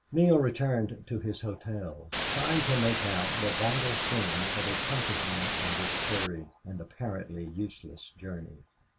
Neale returned to his hotel, trying to make out the vital thing that had come to him on this hurried and apparently useless journey.